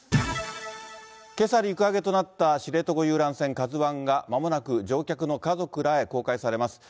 けさ陸揚げとなった知床遊覧船、ＫＡＺＵＩが、まもなく乗客の家族らへ公開されます。